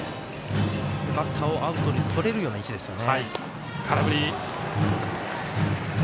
バッターをアウトにとれるような位置ですよね。